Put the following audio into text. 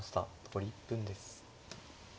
残り１分です。